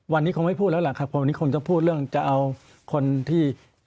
วันนี้คงไม่พูดแล้วล่ะครับเพราะวันนี้คงจะพูดเรื่องจะเอาคนที่